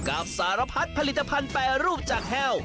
สารพัดผลิตภัณฑ์แปรรูปจากแห้ว